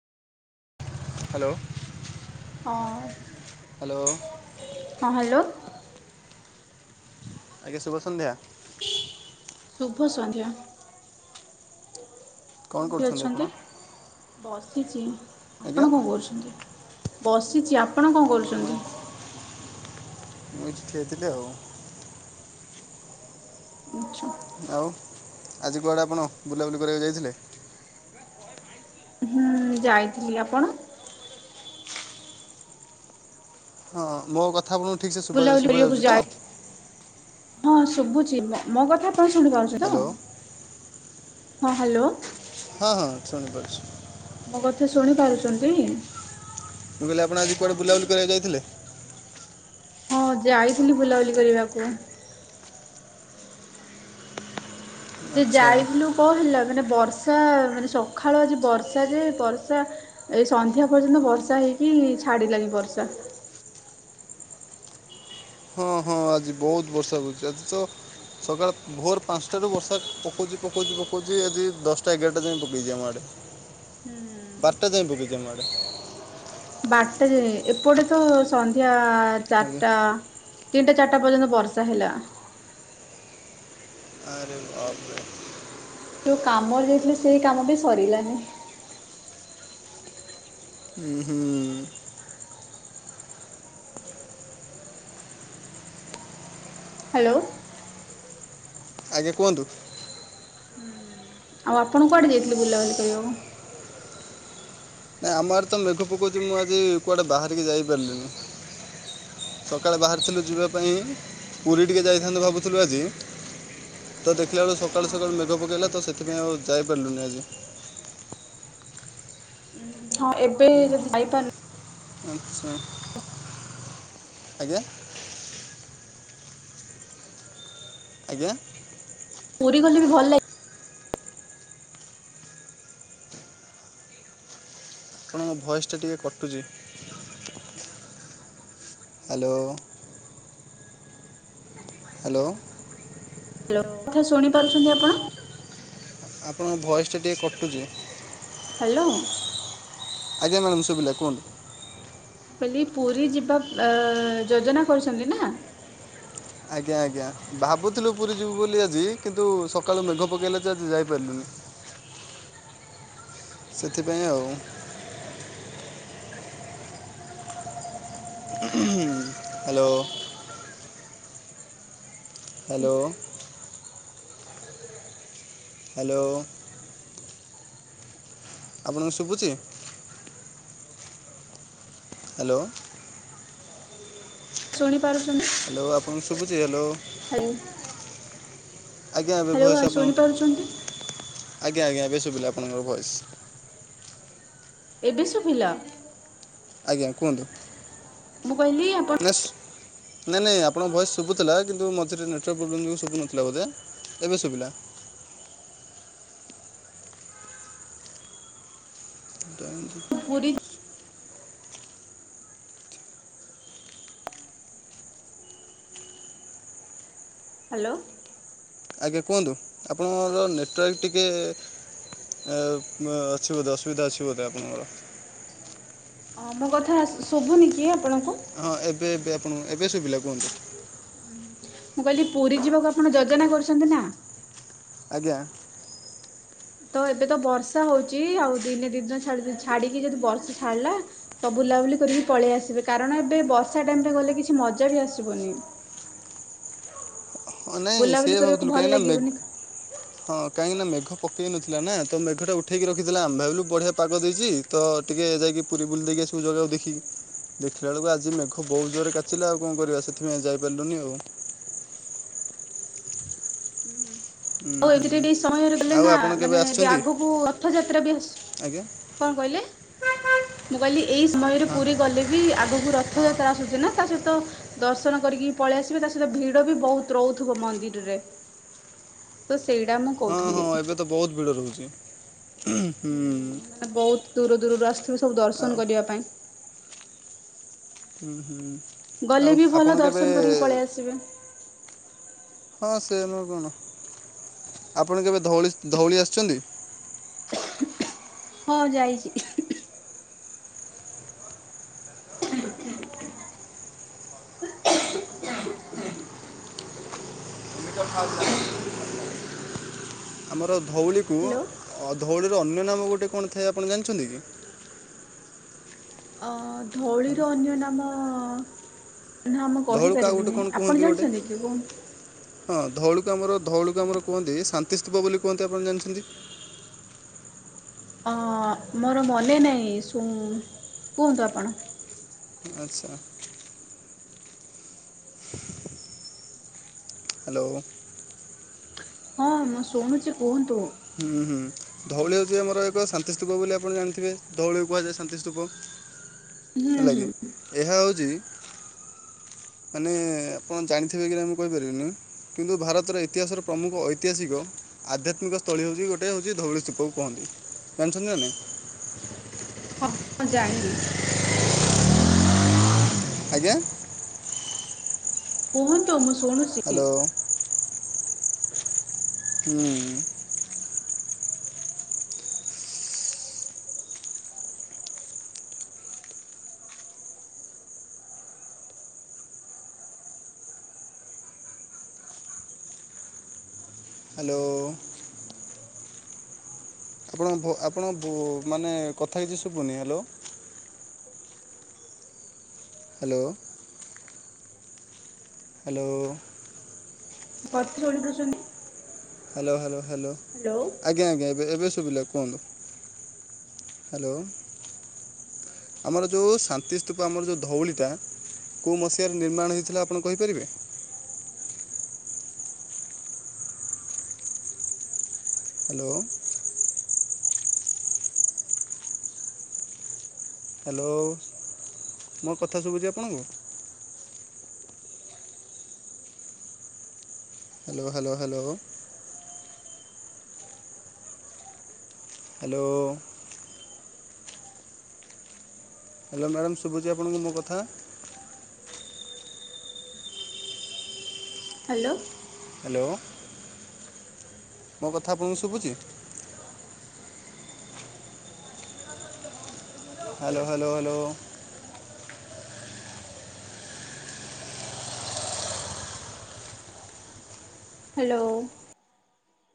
Hello. ହଁ, hello ହଁ hello. ଆଜ୍ଞା ଶୁଭ ସନ୍ଧ୍ୟା। ଶୁଭ ସନ୍ଧ୍ୟା, କଣ କେମିତି କରୁଛନ୍ତି ଆପଣ ଅଛନ୍ତି? ବସିଛି, ଆଜ୍ଞା ଆପଣ କଣ କରୁଛନ୍ତି? ବସିଛି ଆପଣ କଣ ମୁଁ କରୁଚନ୍ତି? ମୁଁ ଏଇଠି ଠିଆ ହେଇଥିଲି ଆଉ। ଆଚ୍ଛା। ଆଉ ଆଜି କୁଆଡ଼େ ଆପଣ ବୁଲାବୁଲି କରିବାକୁ ଯାଇଥିଲେ? ହୁଁ, ଯାଇଥିଲି। ଆପଣ? ହଁ ମୋ କଥା ଆପଣଙ୍କୁ ଠିକ୍ ସେ ଶୁବା ବୁଲାବୁଲି ଶୁବା କରିବାକୁ ଯାଉଚି ତ? ଯାଇ ହଁ ଶୁଭୁଛି, ମୋ ମୋ କଥା ଆପଣ ଶୁଣିପାରୁଛି ତ? ହ୍ୟାଲୋ ହଁ ହ୍ୟାଲୋ। ହଁ ହଁ ଶୁଣିପାରୁଛି। ମୋ କଥା ଶୁଣି ପାରୁଛନ୍ତି। ମୁଁ କହିଲି ଆପଣ ଆଜି କୁଆଡ଼େ ବୁଲାବୁଲି କରିବାକୁ ଯାଇଥିଲେ? ହଁ ଯାଇଥିଲି ବୁଲାବୁଲି କରିବାକୁ। ଯେ ଆଚ୍ଛା ଯାଇଥିଲୁ। କଣ ହେଲା ମାନେ ବର୍ଷା ମାନେ ସକାଳୁ ଆଜି ବର୍ଷା ଯେ ବର୍ଷା। ଏଇ ସନ୍ଧ୍ୟା ପର୍ଯ୍ୟନ୍ତ ବର୍ଷା ହେଇକି ଛାଡିଲାନି ବର୍ଷା। ହଁ-ହଁ ଆଜି ବହୁତ ବର୍ଷା ହଉଛି ଆଜି ତ ସକାଳ ଭୋର ପାଞ୍ଚଟାରୁ ବର୍ଷା ପକଉଛି ପକଉଛି ପକଉଛି ଯଦି ଦଶଟା ଏଗାରଟା ଯାଇଏ ପକଉଛି ଆମ ଆଡ଼େ। ହୁଁ ହୁଁ। ବାରଟା ଯାଇ ପକେଇଚି ଆମ ଆଡେ। ବାରଟା ଏପଟେ ତ ସନ୍ଧ୍ୟା ଆଜ୍ଞା ଚାରିଟା ତିନିଟା ଚାରିଟା ପର୍ଯ୍ୟନ୍ତ ବର୍ଷା ହେଲା। ଆରେ ବାପରେ। ଯୋଉ କାମରେ ଯାଇଥିଲୁ ସେଇ କାମ ବି ସରିଲାନି। ହୁଁ ହୁଁ। ହ୍ୟାଲୋ। ଆଜ୍ଞା କୁହନ୍ତୁ। ଆଉ ଆପଣ କୁଆଡେ ଯାଇଥିଲେ ବୁଲାବୁଲି କରିବାକୁ? ନାଇଁ ଆମର ତ ମେଘ ପକଉଛି ମୁଁ ଆଜି କୁଆଡେ ବାହାରିକି ଯାଇପାରିଲିନି। ସକାଳେ ବାହାରିଥିଲୁ ଯିବା ପାଇଁ ପୁରୀ ଟିକେ ଯାଇଥାନ୍ତୁ ଭାବୁଥିଲୁ ଆଜି। ତ ଦେଖିଲା ବେଳୁ ସକାଳୁ ସକାଳୁ ହଁ ମେଘ ପକେଇଲା ତ ସେଥିପାଇଁ ଆଉ ଯାଇପାରିଲୁନି ଆଜି। ହଁ, ଏବେ ଯଦି ଯାଇପାରୁନ ଆଚ୍ଛା। ଆଜ୍ଞା। ଆଜ୍ଞା। ପୁରୀ ଗଲେ ବି ଭଲ ଲା ଆପଣଙ୍କ ଭଏସ ଟା ଟିକେ କଟୁଛି। ହ୍ୟାଲୋ। ହ୍ୟାଲୋ। ହ୍ୟାଲୋ, ମୋ କଥା ଶୁଣି ପାରୁଛନ୍ତି ଆପଣ? ଆପଣଙ୍କ ଭଏସ୍ ଟା ଟିକେ କଟୁଛି। ହ୍ୟାଲୋ। ଆଜ୍ଞା୍ ମାଡ଼ାମ ଶୁବିଲା କୁହନ୍ତୁ। କହଲି ପୁରୀ ଯିବା ଉଁ ଯୋଜନା କରୁଛନ୍ତି ନା? ଆଜ୍ଞା ଆଜ୍ଞା, ଭାବୁଥିଲୁ ପୁରୀ ଯିବୁ ବୋଲି ଆଜି କିନ୍ତୁ ସକାଳୁ ମେଘ ପକାଇଲା ଯେ ଆଜି ଯାଇପାରିଲୁନି। ସେଥିପାଇଁ ଆଉ। ହ୍ୟାଲୋ। ହ୍ୟାଲୋ। ହ୍ୟାଲୋ। ଆପଣଙ୍କୁ ଶୁଭୁଛି? ହ୍ୟାଲୋ। ଶୁଣିପାରୁଛନ୍ତି? ହ୍ୟାଲୋ, ଆପଣଙ୍କୁ ଶୁଭୁଛି ହ୍ୟାଲୋ। ଆଜ୍ଞା, ଏବେ ଭଏସ୍ ହ୍ୟାଲୋ ଆପଣ ଶୁଣି ପାରୁଛନ୍ତି? ଆଜ୍ଞା ଆଜ୍ଞା ଏବେ ଶୁଭିଲା ଆପଣଙ୍କର ଭଏସ୍। ଏବେ ଶୁଭିଲା? ଆଜ୍ଞା କୁହନ୍ତୁ ମୁଁ କହିଲି ଆପଣ ନେଷ୍ଟ୍। ନହିଁ ନାଇଁ ଆପଣଙ୍କ ଭଏସ୍ ଶୁଭୁଥିଲା କିନ୍ତୁ ମଝିରେ ନେଟୱାର୍କ ପ୍ରୋବ୍ଲେମ୍ ଯେଉଁ ଶୁଥିଲା ବୋଧେ, ଏବେ ଶୁଭିଲା। ଟାଇଁକି ପୁରୀ। ହ୍ୟାଲୋ। ଆଜ୍ଞା କୁହନ୍ତୁ। ଆପଣଙ୍କର ନେଟୱାର୍କ ଟିକେ ଏ ଅଛି ବୋଧେ ଅସୁବିଧା ଅଛି ବୋଧେ ଆପଣଙ୍କର? ହଁ ମୋ କଥା ଶୁଭୁନି କି ଆପଣଙ୍କୁ? ହଁ ଏବେ ଏବେ ଆପଣଙ୍କୁ ଏବେ ସୁବିଲା କୁହନ୍ତୁ। ମୁଁ କହିଲି ପୁରୀ ଯିବାକୁ ଆପଣ ଯୋଜନା କରୁଛନ୍ତି ନା? ଆଜ୍ଞା। ତ ଏବେ ତ ବର୍ଷା ହଉଛି ଆଉ ଦିନେ ଦୁଇ ଦିନ ଛାଡ଼ିକି ଯଦି ବର୍ଷା ଛାଡ଼ିଲା ତ ବୁଲାବୁଲି କରିକି ପଳେଇ ଆସିବେ। କାରଣ ଏବେ ବର୍ଷା ଟାଇମ୍ ରେ ଗଲେ କିଛି ମଜା ବି ଆସିବନି। ହଁ ନାଇଁ ସେ ବୁଲାବୁଲି କରିବାକୁ ଭାବୁଥିଲୁ ଭଲ କାହିଁକିନା ମେ ଲାଗିବନି ହଁ କାହିଁକି ନା ମେଘ ପକେଇ ନଥିଲା ନା, ତ ମେଘଟା ଉଠେଇକି ରଖିଥିଲା। ଆମେ ଭାବିିଲୁ ବଢ଼ିଆ ପାଗ ଦେଇଛି। ତ ଟିକେ ଯାଇକି ପୁରୀ ବୁଲି ଦେଇକି ଆସିବୁ ଜଗାକୁ ଦେଖିକି। ଦେଖିଲା ବେଳକୁ ଆଜି ମେଘ ବହୁତ ଜୋରରେ କାଚିଲା ଆଉ କଣ କରିବା ସେଥିପାଇଁ ଯାଇପାରିଲୁନି ଆଉ। ହୁଁ ହୁଁ। ଆଉ ଉଁ ଏଇ ଦିଟା ହୁଁ। ଟିକେ ସମୟରେ ଗଲେ ଆଉ ନା ଆପଣ କେବେ ଆସିଛନ୍ତି ଆଗକୁ ରଥଯାତ୍ରା ବି ଆସୁଚି। ଆଜ୍ଞା କଣ କହିଲେ ମୁଁ କହିଲି ଏଇ ସମୟରେ ହଁ ପୁରୀ ଗଲେ ବି ଆଗକୁ ହଁ ରଥଯାତ୍ରା ଆସୁଛି ନା ତା ସହିତ ଦର୍ଶନ କରିକି ପଳେଇ ଆସିବେ ତା ସହିତ ଭିଡ ବି ବହୁତ ରହୁଥିବ ମନ୍ଦିରରେ। ତ ସେଇଟା ମୁଁ ହଁ କହୁଥିଲି। ହଁ ଏବେ ତ ବହୁତ ଭିଡ ରହୁଛି। ହୁଁ ମାନେ ବହୁତ ଦୂର ଦୂରରୁ ଆସିଥିବେ ସବୁ ଆଉ ଦର୍ଶନ କରିବା ପାଇଁ। ଉଁ ହୁଁ ଗଲେ ଆଉ ବି ଭଲ ଆପଣ କେବେ ଦର୍ଶନ କରିକି ପଳେଇ ଆସିବେ। ହଁ ସେ ନୁହଁ କଣ ଆପଣ କେବେ ଧଉଳି ଧଉଳି ଆସିଛନ୍ତି? ହଁ ଯାଇଛି। [unintelligible] [unintelligible] ଆମର ଧଉଳିକୁ ହ୍ୟାଲୋ ଧଉଳିର ଅନ୍ୟ ନାମ ଗୋଟେ କଣ ଥାଏ ଆପଣ ଜାଣିଛନ୍ତି କି? ଅ ଧଉଳିର ଅନ୍ୟ ନାମ ନା ମୁଁ ଧଉଳିକୁ ଆଉ ଗୋଟେ କହିପାରିବିନି କ'ଣ ଆପଣ କୁହନ୍ତି ଗୋଟେ ଜାଣିଛନ୍ତି କି କୁହନ୍ତୁ? ହଁ ଧଉଳିକୁଆମର ଧଉଳିକୁ ଆମର କୁହନ୍ତି ଶାନ୍ତି ସ୍ଥୁପ ବୋଲି କୁହନ୍ତି ଆପଣ ଜାଣିଛନ୍ତି। ହଁ ମୋର ମନେ ନାହିଁ ସୁ କୁହନ୍ତୁ ଆପଣ? ଆଚ୍ଛା। ହ୍ୟାଲୋ। ହଁ ମୁଁ ଶୁଣୁଛି କୁହନ୍ତୁ। ହୁଁ ହୁଁ। ଧଉଳି ହେଉଛି ଆମର ଏକ ଶାନ୍ତିସ୍ତୂପ ବୋଲି ଆପଣ ଜାଣିଥିବେ? ଧଉଳି କୁହାଯାଏ ଶାନ୍ତିସ୍ତୂପ। ହୁଁ ହେଲା ହୁଁ କିି ଏହା ହଉଛି ମାନେ ଆପଣ ଜାଣିଥିବେ କି ମୁଁ କହିପାରିବିନି। କିନ୍ତୁ ଭାରତର ଇତିହାସର ପ୍ରମୁଖ ଐତିହାସିକ ଆଧ୍ୟାତ୍ମିକ ସ୍ଥ ତଳି ହଉଛି ଗୋଟେ ହଉଛି ଧଉଳି ସ୍ତୁପକୁ କହନ୍ତି। ଜାଣିଚନ୍ତି ନା ନାଇଁ? ହଁ ହଁ ଜାଣିନି। ଆଜ୍ଞା। କୁହନ୍ତୁ ମୁଁ ଶୁଣୁଚି? ହ୍ୟାଲୋ। ହୁଁ। ହ୍ୟାଲୋ। ଆପଣ ଆପଣ ମାନେ କଥା କିଛି ଶୁଭୁନି। ହ୍ୟାଲୋ? ହ୍ୟାଲୋ। ହ୍ୟାଲୋ? ମୋ କଥା ଶୁଣିପାରୁଛନ୍ତି? Hello hello hello? ହ୍ୟାଲୋ। ଆଜ୍ଞା ଆଜ୍ଞା ଏବେ ଏବେ ଶୁଭିଲା କୁହନ୍ତୁ। ହ୍ୟାଲୋ। ଆମର ଯୋଉ ଶାନ୍ତିସ୍ତୁପ ଆମର ଯୋଉ ଧଉଳିଟା କୋଉ ମସିହାରେ ନିର୍ମାଣ ହୋଇଥିଲା ଆପଣ କହିପାରିବେ? ହ୍ୟାଲୋ। ହ୍ୟାଲୋ ମୋ କଥା ଶୁଭୁଛି ଆପଣଙ୍କୁ? Hello hello hello. Hello. Hello madam ଶୁଭୁଛି ଆପଣଙ୍କୁ ମୋ କଥା? ହ୍ୟାଲୋ। ହ୍ୟାଲୋ। ମୋ କଥା ଆପଣଙ୍କୁ ଶୁଭୁଚି? Hello hello hello. ହ୍ୟାଲୋ।